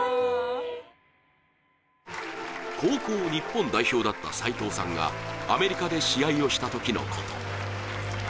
高校日本代表だった斎藤さんがアメリカで試合をしたときのこと。